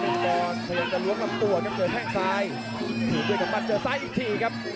เปลี่ยนกับความทรงล้อมลำตัวกับเรื่องแข็งซายจึงด้วยกับมาเจอซ้ายอีกทีครับ